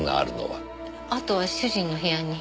あとは主人の部屋に。